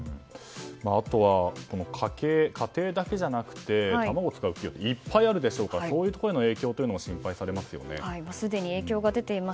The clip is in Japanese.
あとは、家庭だけじゃなくて卵を使うことはいっぱいあるでしょうからそういうところへの影響もすでに影響が出ています。